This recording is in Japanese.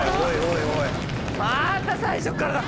また最初っからだ！